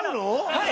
はい。